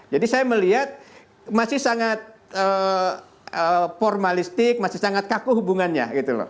jadi saya melihat masih sangat formalistik masih sangat kaku hubungannya